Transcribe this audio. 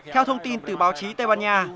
theo thông tin từ báo chí tây ban nha